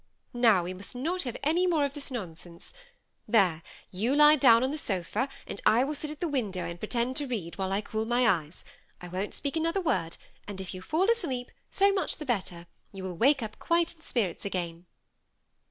Now we must not have any more of this nonsense. There, you lie down on this sofa, and I will sit at this window, and pretend to read, while I cool my eyes. I won't speak another word; THE SEMI ArrACHED COUPLE. 25' and if you fall asleep, so much the better, you will wake up quite in spirits again."